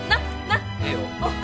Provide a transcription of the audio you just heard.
なっ！